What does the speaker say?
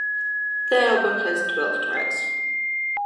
The album has twelve tracks.